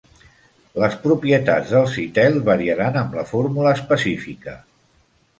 Les propietats del Zytel variaran amb la fórmula específica.